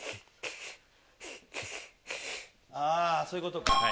そういうことか。